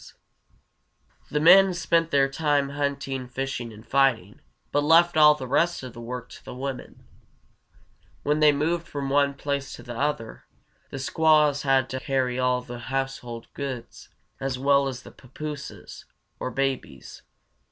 [Illustration: A Papoose.] The men spent their time hunting, fishing, and fighting, but left all the rest of the work to the women. When they moved from one place to another, the squaws had to carry all the household goods, as well as the papooses, or babies.